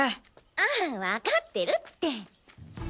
あぁわかってるって。